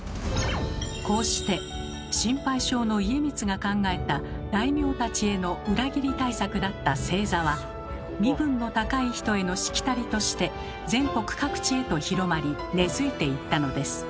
こうして心配性の家光が考えた大名たちへの裏切り対策だった正座は「身分の高い人へのしきたり」として全国各地へと広まり根づいていったのです。